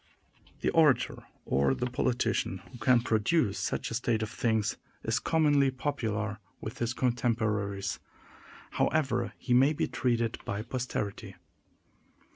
The orator, or the politician, who can produce such a state of things, is commonly popular with his contemporaries, however he may be treated by posterity.